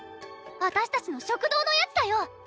あたしたちの食堂のやつだよ！